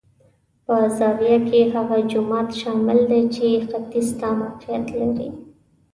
په زاویه کې هغه جومات شامل دی چې ختیځ ته موقعیت لري.